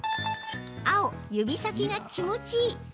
青・指先が気持ちいい！